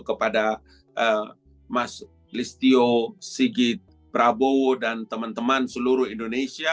kepada mas listio sigit prabowo dan teman teman seluruh indonesia